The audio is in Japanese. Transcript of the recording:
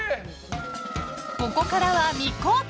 ここからは未公開！